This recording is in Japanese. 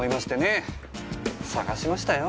捜しましたよ。